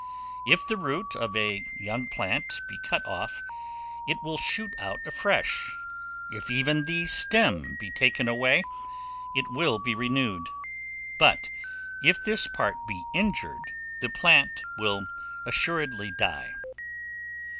If the root of a young plant be cut off, it will shoot out afresh; if even the stem be taken away, it will be renewed; but if this part be injured, the plant will assuredly die.